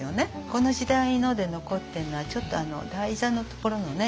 この時代ので残ってるのはちょっと台座のところのね